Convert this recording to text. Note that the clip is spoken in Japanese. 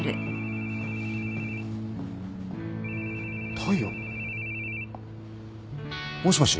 大陽？もしもし？